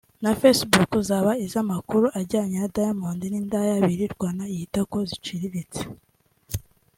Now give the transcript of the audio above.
na Facebook zaba iz’amakuru ajyanye na Diamond n’indaya birirwana yita ko ziciriritse